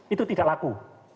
itu tidak laku